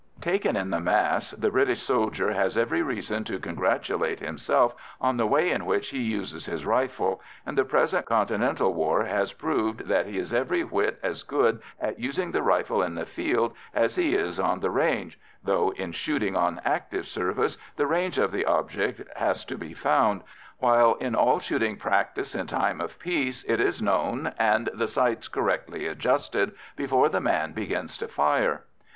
Taken in the mass, the British soldier has every reason to congratulate himself on the way in which he uses his rifle, and the present Continental war has proved that he is every whit as good at using the rifle in the field as he is on the range, though, in shooting on active service, the range of the object has to be found, while in all shooting practice in time of peace it is known and the sights correctly adjusted before the man begins to fire.